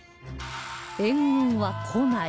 「援軍は来ない」